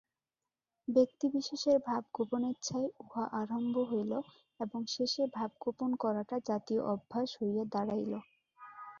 ব্যক্তিবিশেষের ভাবগোপনেচ্ছায় উহা আরম্ভ হইল এবং শেষে ভাব গোপন করাটা জাতীয় অভ্যাস হইয়া দাঁড়াইল।